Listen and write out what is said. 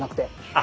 あ！